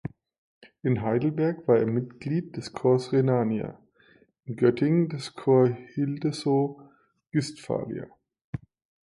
In Heidelberg war er Mitglied des Corps Rhenania, in Göttingen des Corps Hildeso-Guestphalia.